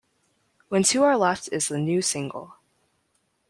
When two are left is the new single.